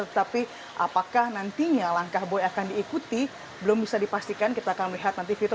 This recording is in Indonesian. tetapi apakah nantinya langkah boy akan diikuti belum bisa dipastikan kita akan melihat nanti vita